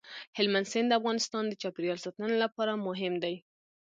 هلمند سیند د افغانستان د چاپیریال ساتنې لپاره مهم دی.